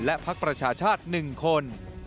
และพักประชาชาติ๑คน